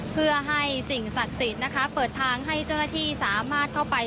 เพื่อให้สิ่งศักดิ์สิทธิ์นะคะเปิดทางให้เจ้าหน้าที่สามารถเข้าไป